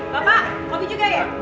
bapak kopi juga ya